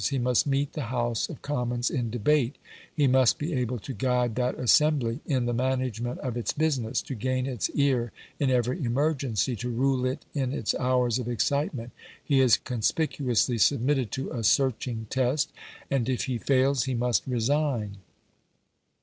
He must meet the House of Commons in debate; he must be able to guide that assembly in the management of its business, to gain its ear in every emergency, to rule it in its hours of excitement. He is conspicuously submitted to a searching test, and if he fails he must resign.